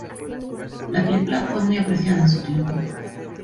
La película fue muy apreciada en su tiempo.